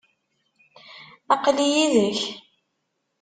aql-i yid-k.